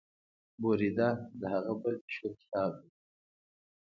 بریده د هغه بل مشهور کتاب دی.